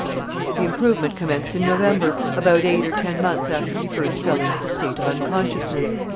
The improvement commenced in November, about eight or ten months after he first fell into the state of unconsciousness.